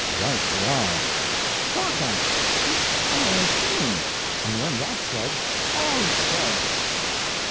"Right you are!" "Thorndike, it's Andalusian! and when that's said, all's said."